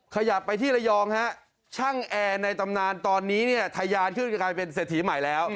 ขยับไปที่ระยองฮะช่างแอร์ในตำนานตอนนี้เนี่ยทะยานขึ้นกลายเป็นเศรษฐีใหม่แล้ว